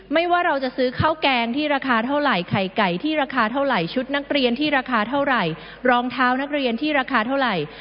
ว่าเราจะซื้อข้าวแกงที่ราคาเท่าไหร่ไข่ไก่ที่ราคาเท่าไหร่ชุดนักเรียนที่ราคาเท่าไหร่รองเท้านักเรียนที่ราคาเท่าไหร่